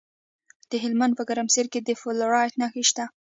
د هلمند په ګرمسیر کې د فلورایټ نښې شته.